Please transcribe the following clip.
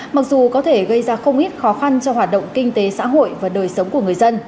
mặc dù có thể gây ra không ít khó khăn cho hoạt động kinh tế xã hội và đời sống của người dân